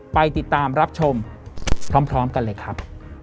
ไปติดตามรับชมพร้อมกันเลยครับ